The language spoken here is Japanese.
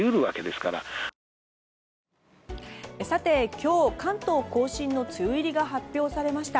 今日、関東・甲信の梅雨入りが発表されました。